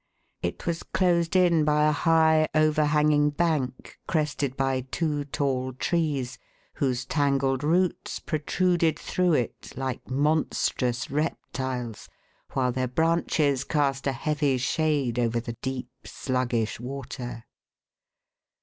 It was closed in by a high overhanging bank, crested by two tall trees, whose tangled roots protruded through it like monstrous reptiles, while their branches cast a heavy shade over the deep, sluggish water.